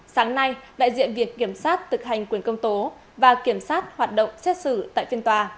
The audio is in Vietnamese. sáng nay đại diện viện kiểm sát thực hành quyền công tố và kiểm sát hoạt động xét xử tại phiên tòa